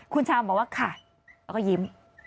คุณชาวบอกว่าค่ะแล้วก็ยิ้ม